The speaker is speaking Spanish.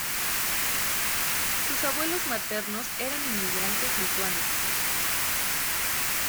Sus abuelos maternos eran inmigrantes lituanos.